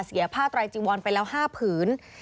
เสียผ้าไตรจีวอนไปแล้ว๕ผืน